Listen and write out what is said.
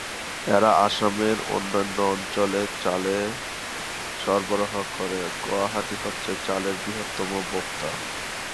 এরা আসামের অন্যান্য অঞ্চলে চাল সরবরাহ করে; গুয়াহাটি হচ্ছে চালের বৃহত্তম ভোক্তা।